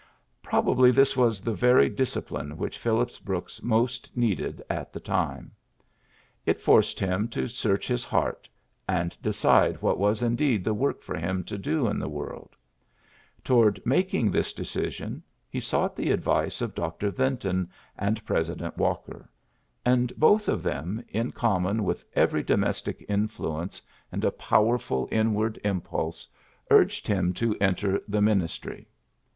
Probably this was the very discipline which Phillips Brooks most needed at the time. It forced him to search his heart, and decide what was indeed the work for him to do in the world. Toward making this decision he sought the advice of Dr. Yinton and President Walker ; and both of them, in common with every domestic influence and a PHILLIPS BKOOKS 15 powerful inward impulse, urged him to enter the ministry.